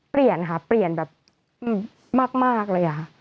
เปลี่ยนค่ะเปลี่ยนแบบมากเลยค่ะ